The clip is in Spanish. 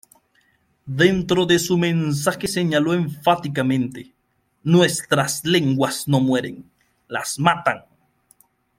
Dentro de su mensaje, señaló enfáticamente: “Nuestras lenguas no mueren, las matan.